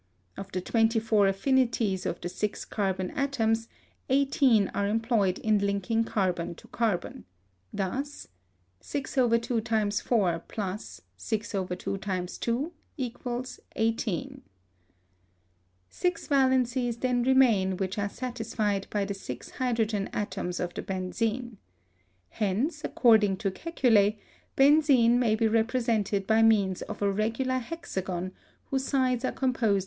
Of the twenty four affinities of the six carbon atoms, eighteen are employed in linking carbon to carbon, thus : 6 6 —.4 +— .2 = 18 2 2 Six valencies then remain which are satisfied by the six hydrogen atoms of the benzene. Hence, according to Kekule, benzene may be represented by means of a regular hexagon whose sides are composed.